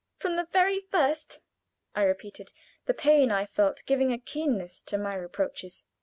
"From the very first," I repeated, the pain I felt giving a keenness to my reproaches.